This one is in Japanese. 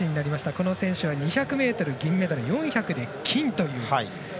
この選手は２００ｍ銀メダル４００で金という。